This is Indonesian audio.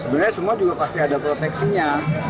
sebenarnya semua juga pasti ada proteksinya